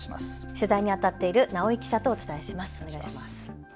取材にあたっている直井記者とお伝えします。